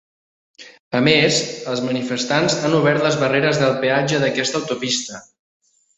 A més, els manifestants han obert les barreres del peatge d’aquesta autopista.